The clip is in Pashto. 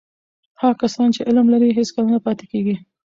هغه کسان چې علم لري، هیڅکله نه پاتې کېږي.